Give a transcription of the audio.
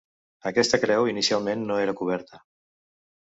Aquesta creu inicialment no era coberta.